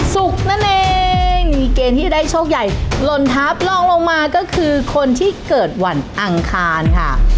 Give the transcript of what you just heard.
นั่นเองมีเกณฑ์ที่จะได้โชคใหญ่หล่นทัพลองลงมาก็คือคนที่เกิดวันอังคารค่ะ